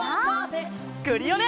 クリオネ！